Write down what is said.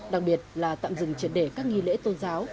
đặc biệt là tạm dừng triển đề các nghi lễ tôn giáo